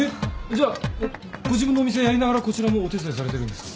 じゃあえっご自分のお店やりながらこちらもお手伝いされてるんですか？